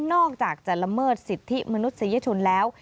อกจากจะละเมิดสิทธิมนุษยชนแล้ว